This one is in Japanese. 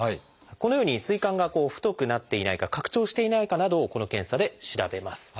このように膵管が太くなっていないか拡張していないかなどをこの検査で調べます。